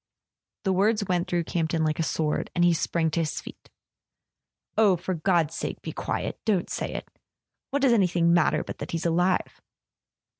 The words went through Campton like a sword, and he sprang to his feet. "Oh, for God's sake be quiet —don't say it! What does anything matter but that he's alive?"